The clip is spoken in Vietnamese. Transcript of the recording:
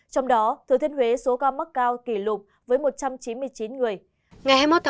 trong đó thừa thiên huế số ca mắc cao kỷ lục với một trăm chín mươi chín người